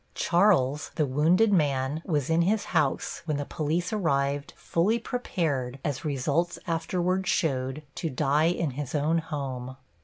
Charles, the wounded man, was in his house when the police arrived, fully prepared, as results afterward showed, to die in his own home.